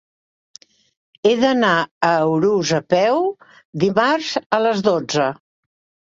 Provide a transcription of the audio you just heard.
He d'anar a Urús a peu dimarts a les dotze.